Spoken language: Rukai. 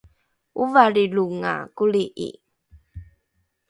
ovalrilonga koli’i